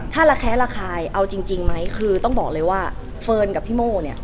ถ้าระแคะระคายเอาจริงไหมคือต้องบอกเลยว่าเฟิร์นกับพี่โม่เนี่ย